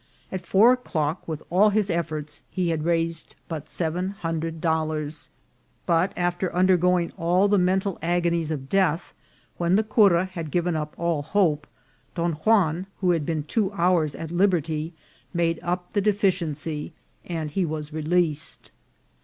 At four o'clock, with all his efforts, he had raised but seven hundred dollars ; but, after undergo ing all the mental agonies of death, when the cura had given up all hope, Don Juan, who had been two hours at liberty, made up the deficiency, and he was released.